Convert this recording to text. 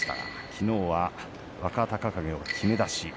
きのうは若隆景を、きめ出し。